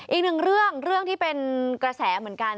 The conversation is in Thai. อีกหนึ่งเรื่องเรื่องที่เป็นกระแสเหมือนกัน